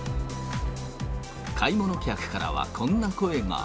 買い物客からはこんな声が。